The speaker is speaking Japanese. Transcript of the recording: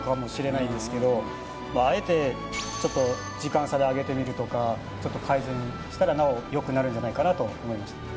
あえてちょっと時間差で揚げてみるとかちょっと改善したらなおよくなるんじゃないかなと思いました